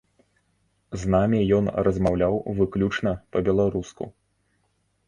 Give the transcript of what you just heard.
З намі ён размаўляў выключна па-беларуску.